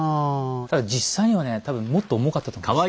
ただ実際にはね多分もっと重かったと思います。